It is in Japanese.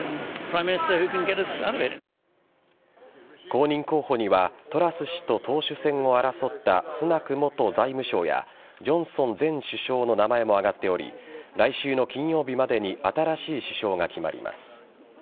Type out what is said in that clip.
後任候補にはトラス氏と党首選を争ったスナク元財務相やジョンソン前首相の名前も挙がっており来週の金曜日までに新しい首相が決まります。